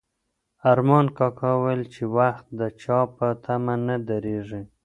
ارمان کاکا وویل چې وخت د چا په تمه نه درېږي.